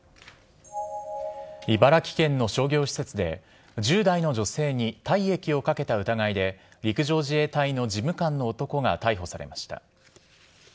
茨城県の商業施設で、１０代の女性に体液をかけた疑いで、陸上自衛隊の事務官の男が逮捕されました。